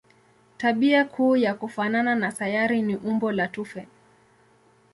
Tabia kuu ya kufanana na sayari ni umbo la tufe.